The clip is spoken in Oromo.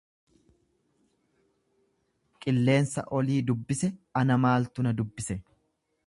Qilleensa olii dubbise ana maaltu na dubbise.